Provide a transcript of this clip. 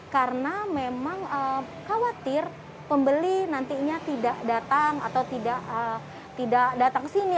karena memang khawatir pembeli nantinya tidak datang atau tidak datang ke sini